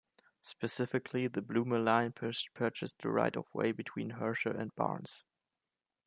Specifically, the Bloomer Line purchased the right-of-way between Herscher and Barnes.